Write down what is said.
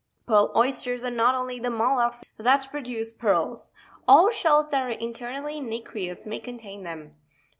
Pearl Oysters are not the only mollusks that produce pearls. All shells that are internally nacreous may contain them.